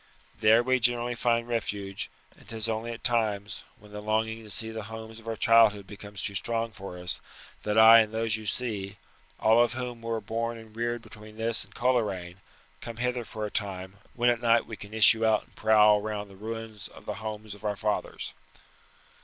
There we generally find refuge; and 'tis only at times, when the longing to see the homes of our childhood becomes too strong for us, that I and those you see all of whom were born and reared between this and Coleraine come hither for a time, when at night we can issue out and prowl round the ruins of the homes of our fathers."